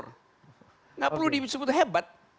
enggak perlu disebut hebat